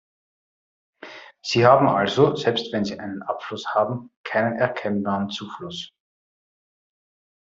Sie haben also, selbst wenn sie einen Abfluss haben, keinen erkennbaren Zufluss.